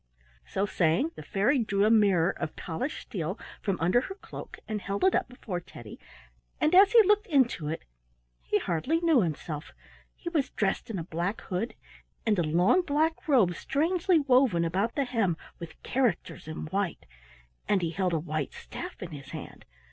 So saying the fairy drew a mirror of polished steel from under her cloak and held it up before Teddy, and as he looked into it he hardly knew himself; he was dressed in a black hood, and a long black robe strangely woven about the hem with characters in white, and he held a white staff in his hand.